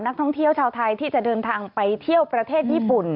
นักท่องเที่ยวชาวไทยที่จะเดินทางไปเที่ยวประเทศญี่ปุ่น